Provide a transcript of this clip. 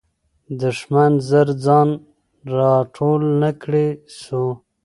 دښمن زر ځان را ټول نه کړی سو.